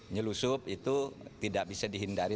nyelusup itu tidak bisa dihindari